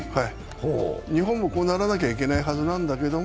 日本もこうならなきゃいけないはずなんだけども。